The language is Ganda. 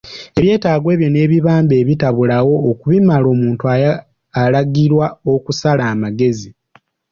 Ebyetaago ebyo n'ebibamba ebitabulawo, okubimala omuntu alagirwa okusala amagezi.